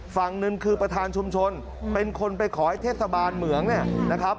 ฝั่งหนึ่งคือประธานชุมชนเป็นคนไปขอให้เทศบาลเหมืองเนี่ยนะครับ